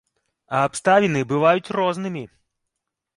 А абставіны бываюць рознымі!